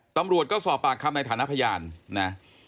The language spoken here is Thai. ตำรวจก็สอบปากคำในฐานะพยานนะ